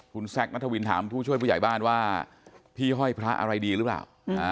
คุณแซคนัทวินถามผู้ช่วยผู้ใหญ่บ้านว่าพี่ห้อยพระอะไรดีหรือเปล่า